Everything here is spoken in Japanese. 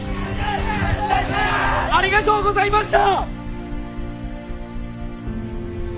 まことにありがとうございました！